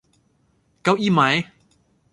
เก้าอี้มั๊ย